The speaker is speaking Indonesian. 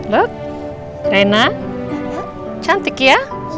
lihat reyna cantik ya